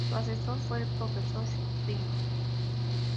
Su asesor fue el profesor Frink.